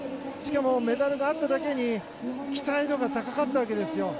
メダルがあっただけに期待度が高かったわけですよ。